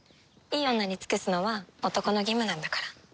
いい女に尽くすのは男の義務なんだから。